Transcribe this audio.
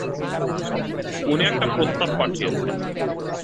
উনি একটা প্রস্তাব পাঠিয়েছেন।